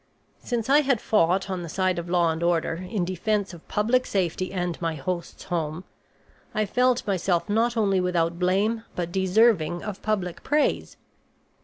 "Since I had fought on the side of law and order, in defense of public safety and my host's home, I felt myself not only without blame but deserving of public praise.